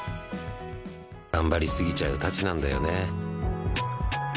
頑張りすぎちゃうたちなんだよね。